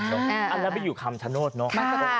ห้าแล้วไม่อยู่คำชะโนษเนอะ